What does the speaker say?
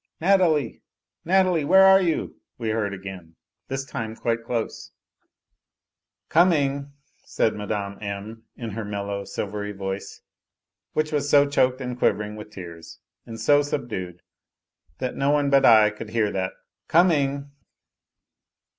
" Natalie ! Natalie ! where are you," we heard again, this time quite close. " Coming," said Mme. M., in her mellow, silvery voice, which was so choked and quivering with tears and so subdued that no one but I could hear that, " Coming